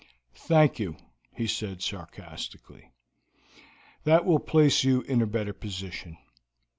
"Thank you," he went on sarcastically. "That will place you in a better position.